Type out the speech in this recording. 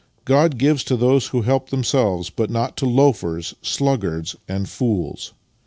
God gives to those who help themselves, but not to loafers, sluggards and fools.